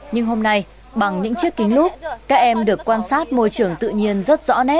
nhưng hôm nay bằng những chiếc kính lốp các em được quan sát môi trường tự nhiên rất rõ nét